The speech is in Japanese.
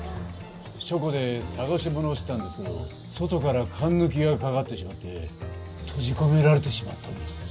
書庫で捜し物をしてたんですけど外からかんぬきがかかってしまって閉じ込められてしまったんです。